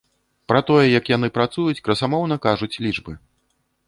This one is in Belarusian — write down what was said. Пра тое, як яны працуюць, красамоўна кажуць лічбы.